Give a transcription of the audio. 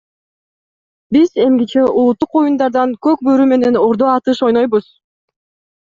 Биз эмгиче улуттук оюндардан көк бөрү менен ордо атыш ойнойбуз.